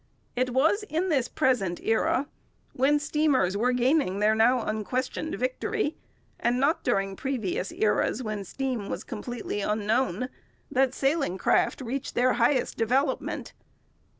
It was in this present era, when steamers were gaining their now unquestioned victory, and not during previous eras, when steam was completely unknown, that sailing craft reached their highest development.